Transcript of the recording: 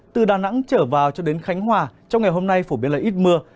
từ đà nẵng trở vào cho đến khánh hòa trong ngày hôm nay phổ biến là ít mưa